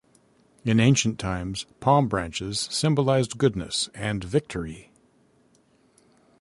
In ancient times, palm branches symbolized goodness and victory.